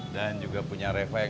dan juga punya refek